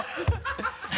ハハハ